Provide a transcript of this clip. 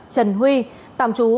trần huy tạm trú